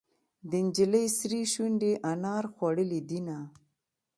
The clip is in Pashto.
د نجلۍ سرې شونډې انار خوړلې دينهه.